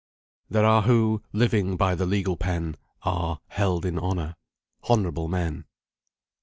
"There are who, living by the legal pen, Are held in honour honourable men."